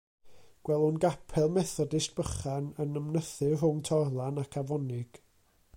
Gwelwn gapel Methodist bychan yn ymnythu rhwng torlan ac afonig.